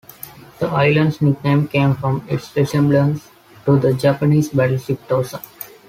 The island's nickname came from its resemblance to the Japanese battleship "Tosa".